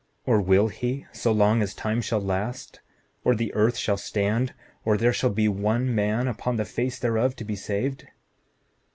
Or will he, so long as time shall last, or the earth shall stand, or there shall be one man upon the face thereof to be saved?